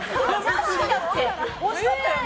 おいしかったよね？